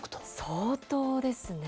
相当ですね。